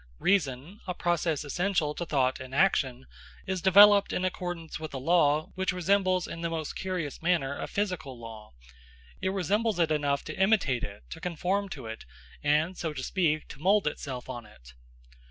Reason, a process essential to thought in action, is developed in accordance with a law which resembles in the most curious manner a physical law. It resembles it enough to imitate it, to conform to it, and, so to speak, to mould itself on it.